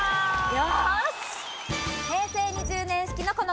よし！